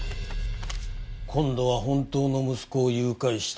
「今度は本当の息子を誘拐した。